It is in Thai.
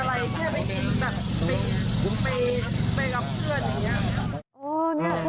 แล้วได้มีอะไรนี่บ้างที่มันเป็นระบวนเพื่อนอย่างงี้